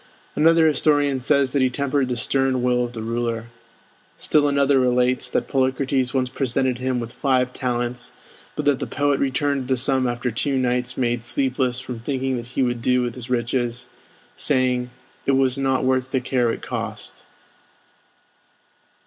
Another historian says that he tempered the stern will of the ruler. Still another relates that Polycrates once presented him with five talents, but that the poet returned the sum after two nights made sleepless from thinking what he would do with his riches, saying "it was not worth the care it cost."